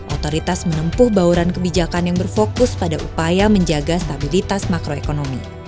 otoritas menempuh bauran kebijakan yang berfokus pada upaya menjaga stabilitas makroekonomi